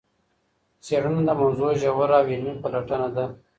څېړنه د موضوع ژوره او علمي پلټنه ده.